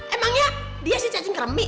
emangnya dia si cacing kremi